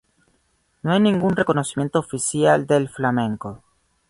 No hay ningún reconocimiento oficial del flamenco.